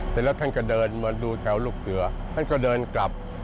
เสร็จแล้วท่านก็เดินมาดูแถวลูกเสือท่านก็เดินกลับ